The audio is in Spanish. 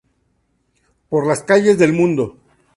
Por las calles del mundo".